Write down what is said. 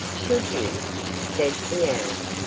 "Should you?" said the owl.